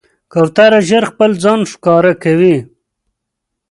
کوتره ژر خپل ځان ښکاره کوي.